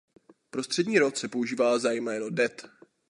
Pro střední rod se používá zájmeno det.